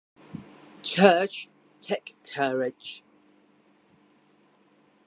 Church, take courage!